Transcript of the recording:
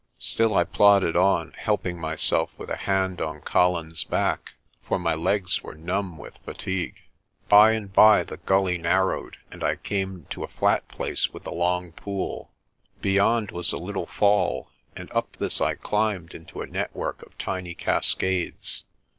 Still I plodded on, helping myself with a hand on Colin's back, for my legs were numb with fatigue. By and by the gully narrowed, and I came to a flat place with a long pool. Beyond was a little fall, and up this I climbed into a network of tiny cascades.